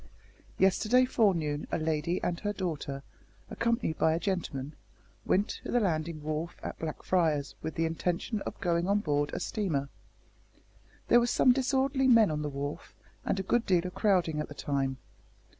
Yesterday forenoon a lady and her daughter, accompanied by a gentleman, went to the landing wharf at Blackfriars with the intention of going on board a steamer. There were some disorderly men on the wharf, and a good deal of crowding at the time.